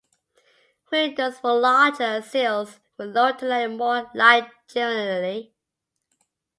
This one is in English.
Windows were larger and sills were lowered to let in more light generally.